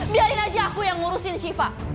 biarin aja aku yang ngurusin shiva